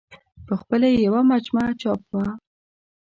په خپله یې یوه مجموعه چاپ وه.